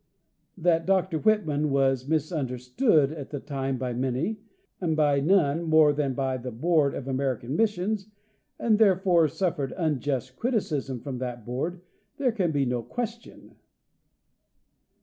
That Dr Whitman was misunderstood at the time by many, and by none more than by the board of American missions, and therefore suffered unjust criticism from that board, there can be no question.